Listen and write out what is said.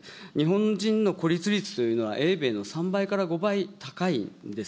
日本人の孤立率というのは、英米の３倍から５倍高いんです。